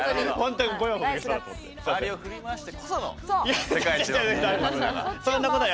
周りを振り回してこその世界一。